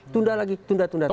tunda lagi tunda tunda